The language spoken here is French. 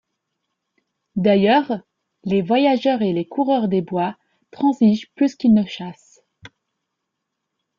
D'ailleurs, les voyageurs et les coureur des bois transigent plus qu'ils ne chassent.